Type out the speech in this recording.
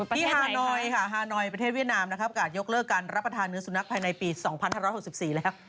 ฮานอยค่ะฮานอยประเทศเวียดนามนะครับประกาศยกเลิกการรับประทานเนื้อสุนัขภายในปี๒๕๖๔แล้ว